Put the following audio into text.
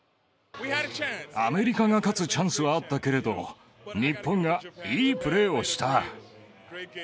アメリカが勝つチャンスはあったけれど、日本がいいプレーをした。